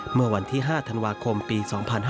เมื่อวันที่๕ธันวาคมปี๒๕๕๙